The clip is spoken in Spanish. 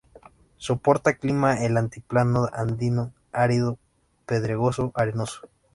Soporta clima del altiplano andino, árido, pedregoso, arenoso.